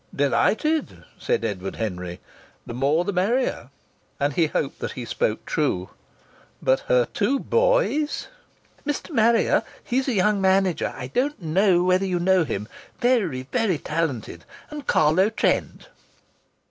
"Delighted!" said Edward Henry. "The more the merrier!" And he hoped that he spoke true. But her two boys! "Mr. Marrier he's a young manager. I don't know whether you know him; very, very talented. And Carlo Trent."